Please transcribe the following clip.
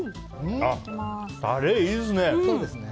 タレ、いいですね。